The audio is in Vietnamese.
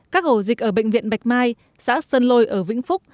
các ổ dịch ở bệnh viện bạch mai xã sơn lôi ở vĩnh phúc